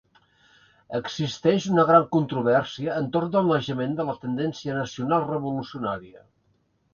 Existeix una gran controvèrsia entorn del naixement de la tendència nacional-revolucionària.